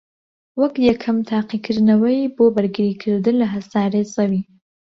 وەک یەکەم تاقیکردنەوەی بۆ بەرگریکردن لە هەسارەی زەوی